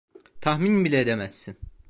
Tahmin bile edemezsin.